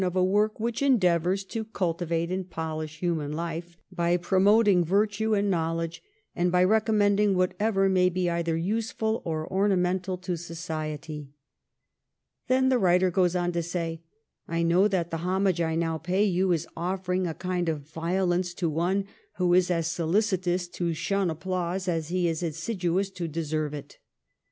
177 of a work which endeavours to cultivate and polish human life, by promoting virtue and knowledge, and by recommending whatsoever may be either useful or ornamental to society.' Then the writer goes on to say, ' I know that the homage I now pay you, is offering a kind of violence to one who is as sohcitous to shun applause, as he is assiduous to deserve it.